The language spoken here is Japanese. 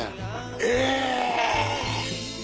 え！